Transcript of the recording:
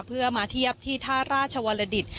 เพื่อมาเทียบที่ท่าราชวรดิต